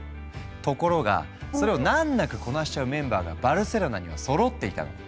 ところがそれを難なくこなしちゃうメンバーがバルセロナにはそろっていたの！